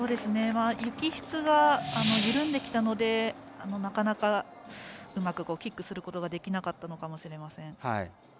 雪質が緩んできたのでなかなかうまくキックすることができなかったのかもしれません。